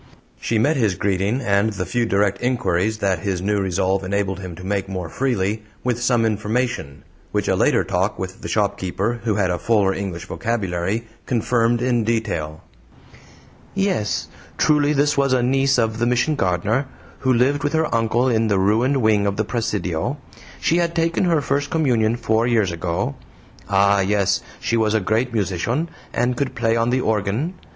She met his greeting, and the few direct inquiries that his new resolve enabled him to make more freely, with some information which a later talk with the shopkeeper, who had a fuller English vocabulary, confirmed in detail. "YES! truly this was a niece of the Mission gardener, who lived with her uncle in the ruined wing of the presidio. She had taken her first communion four years ago. Ah, yes, she was a great musician, and could play on the organ.